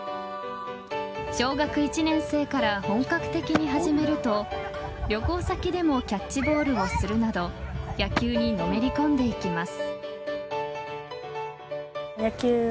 小学１年生から本格的に始めると旅行先でもキャッチボールをするなど野球にのめり込んでいきます。